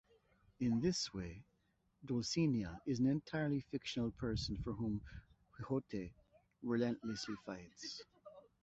In this way, Dulcinea is an entirely fictional person for whom Quixote relentlessly fights.